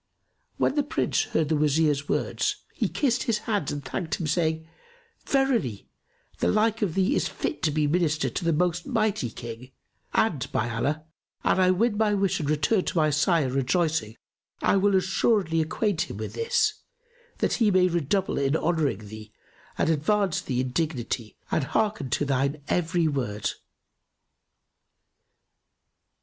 When the Prince heard the Wazir's words, he kissed his hands and thanked him, saying, "Verily, the like of thee is fit to be Minister to the most mighty King, and, by Allah, an I win my wish and return to my sire, rejoicing, I will assuredly acquaint him with this, that he may redouble in honouring thee and advance thee in dignity and hearken to thine every word."